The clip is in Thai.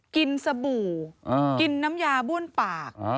สบู่กินน้ำยาบ้วนปาก